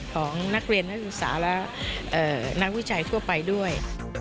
ของนักเรียนนักศึกษาและนักวิจัยทั่วไปด้วย